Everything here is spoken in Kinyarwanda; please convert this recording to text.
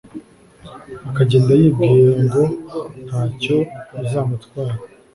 akagenda yibwira ngo nta cyo uzamutwara